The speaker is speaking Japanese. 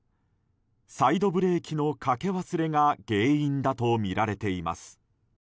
サイドブレーキのかけ忘れが原因だとみられています。